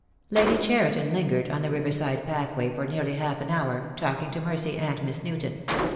Lady Cheriton lingered on the river side pathway for nearly half an hour, talking to Mercy and Miss Newton.